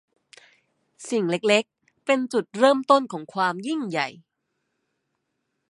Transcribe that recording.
สิ่งเล็ก ๆ เป็นจุดเริ่มต้นของความยิ่งใหญ่